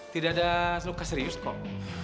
tidak ada luka serius kok